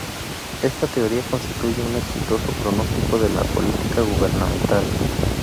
Esta teoría constituye un exitoso pronóstico de la política gubernamental.